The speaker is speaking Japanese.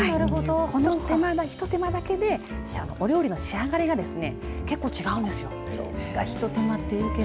この手間が、ひと手間だけで、お料理の仕上がりが結構違うんですよ。